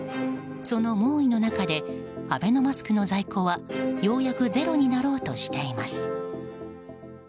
その猛威の中でアベノマスクの在庫はようやくゼロになろうとしています。